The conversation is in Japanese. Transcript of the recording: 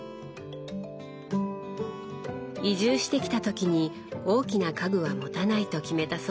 移住してきた時に大きな家具は持たないと決めたそうです。